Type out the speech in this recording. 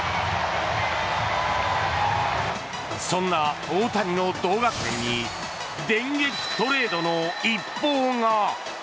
そんな大谷の同学年に電撃トレードの一報が。